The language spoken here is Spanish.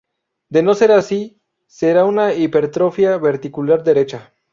De no ser así será una hipertrofia ventricular derecha.